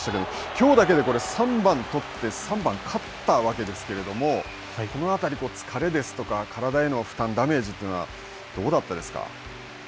きょうだけで三番取って、三番勝ったわけですけども、この辺り、疲れですとか、体への負担、ダメージというのは、どうだったです